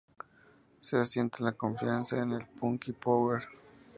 Se asienta la confianza en el "Punky Power!